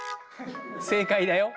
正解だよ。